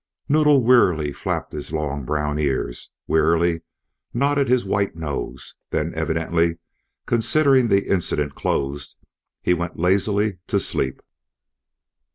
Noddle wearily flapped his long brown ears, wearily nodded his white nose; then evidently considering the incident closed, he went lazily to sleep.